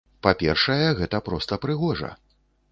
Па-першае, гэта проста прыгожа.